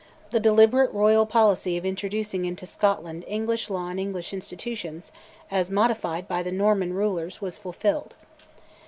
the deliberate Royal policy of introducing into Scotland English law and English institutions, as modified by the Norman rulers, was fulfilled.